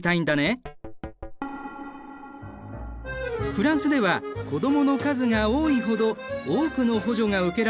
フランスでは子どもの数が多いほど多くの補助が受けられる制度がある。